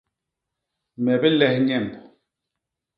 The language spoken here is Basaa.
Me biles nyemb.